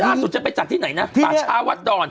วันอาจจะไปจัดที่ไหนนะปาชาวัดดร